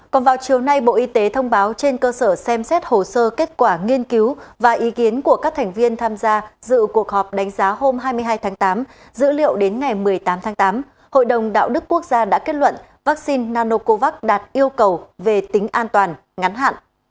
còn vào chiều nay bộ y tế thông báo trên cơ sở xem xét hồ sơ kết quả nghiên cứu và ý kiến của các thành viên tham gia dự cuộc họp đánh giá hôm hai mươi hai tháng tám dữ liệu đến ngày một mươi tám tháng tám hội đồng đạo đức quốc gia đã kết luận vaccine nanocovax đạt yêu cầu về tính an toàn ngắn hạn